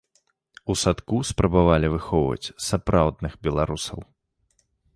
У садку спрабавалі выхоўваць сапраўдных беларусаў.